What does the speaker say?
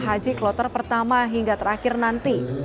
pemulangan jum'ah haji kloter pertama hingga terakhir nanti